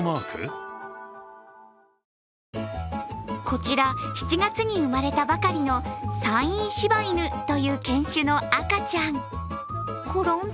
こちら７月に生まれたばかりの山陰柴犬という犬種の赤ちゃん。